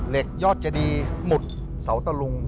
เหล็กยอดแจดีหมุดเซาตะลุง